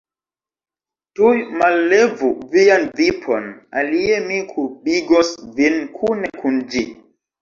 Tuj mallevu vian vipon, alie mi kurbigos vin kune kun ĝi!